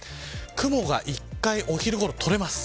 雲が１回、お昼ごろ取れます。